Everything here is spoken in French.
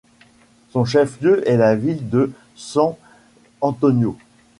Son chef-lieu est la ville de San Antonio.